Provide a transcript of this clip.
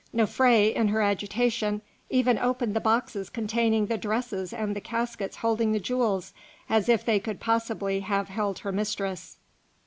Nofré, in her agitation, even opened the boxes containing the dresses and the caskets holding the jewels, as if they could possibly have held her mistress.